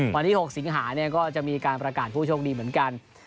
วันที่๖สิงหาเนี่ยก็จะมีการประกาศผู้โชคดีเหมือนกัน